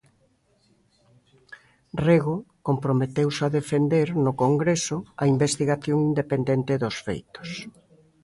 Rego comprometeuse a defender no Congreso a investigación independente dos feitos.